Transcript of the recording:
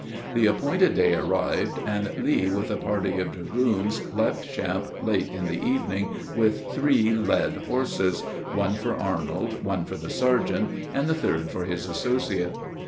The appointed day arrived, and Lee with a party of dragoons, left camp late in the evening, with three led horses one for Arnold, one for the sergeant, and the third for his associate.